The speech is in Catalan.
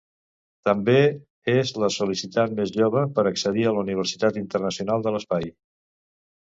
També és la sol·licitant més jove per accedir a la Universitat Internacional de l'Espai.